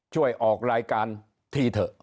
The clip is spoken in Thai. ช่วยออกรายการทีเถอะ